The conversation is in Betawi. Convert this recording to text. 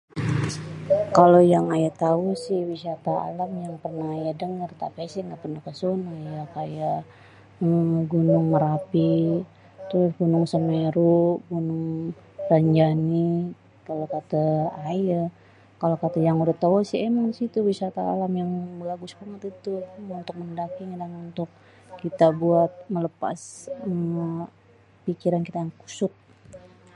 Kalo yang ayé tau si wisata alam yang perneh ayé denger tapi ayé si ga perneh kesonoh ya kaye Gunung Merapi, tuh Gunung Sameru, Gunung Rinjani. Kalo kate ayé kalo kata yang udah tau si emang disitu wisata alam yang bagus banget ituh untuk mendaki untuk kita buat melepas pikiran kita yang kusut.